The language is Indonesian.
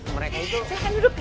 silahkan duduk ya